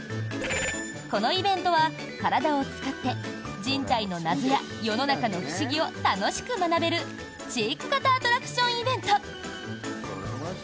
このイベントは体を使って人体の謎や世の中の不思議を楽しく学べる知育型アトラクションイベント。